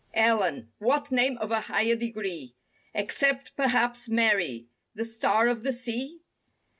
Ellen—what name of a higher degree, Except, perhaps, Mary, "The Star of the sea?"